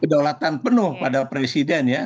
kedaulatan penuh pada presiden ya